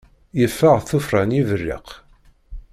Yeffeɣ tuffɣa n yiberriq.